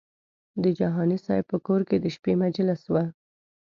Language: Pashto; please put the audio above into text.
د جهاني صاحب په کور کې د شپې مجلس و.